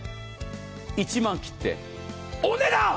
１万切って、お値段。